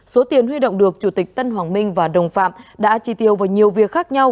số tiền huy động được chủ tịch tân hoàng minh và đồng phạm đã chi tiêu vào nhiều việc khác nhau